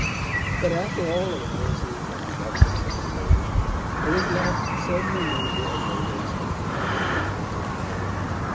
But after all allowances and deductions have been made, there is left some remainder of motives of a non emulative kind.